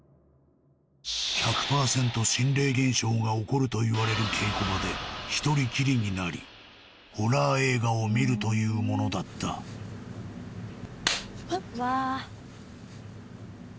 心霊現象が起こるといわれる稽古場で１人きりになりホラー映画を見るというものだったはっ